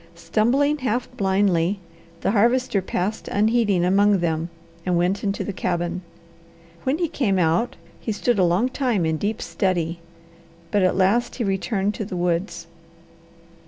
Stumbling half blindly, the Harvester passed unheeding among them, and went into the cabin. When he came out he stood a long time in deep study, but at last he returned to the woods.